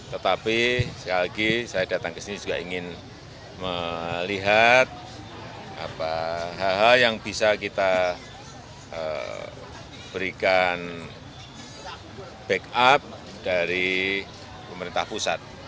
tetapi sekali lagi saya datang ke sini juga ingin melihat hal hal yang bisa kita berikan backup dari pemerintah pusat